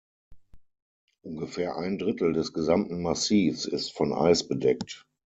Ungefähr ein Drittel des gesamten Massivs ist von Eis bedeckt.